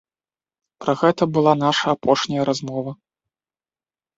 Пра гэта была наша апошняя размова.